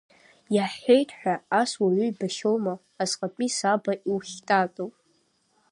Иаҳҳәеит ҳәа, ас уаҩы ибахьоума, асҟатәи саба иухьтатоу.